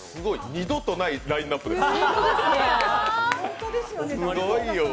二度とないラインナップです。